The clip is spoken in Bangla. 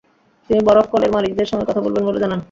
তিনি বরফ কলের মালিকদের সঙ্গে কথা বলবেন বলে জানান।